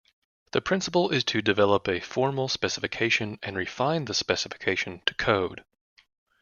The principle is to develop a formal specification and refine the specification to code.